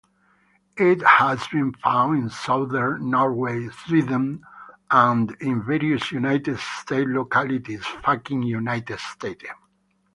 It has been found in Southern Norway, Sweden and in various United States localities.